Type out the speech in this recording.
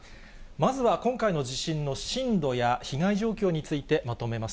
まずは今回の地震の震度や被害状況についてまとめます。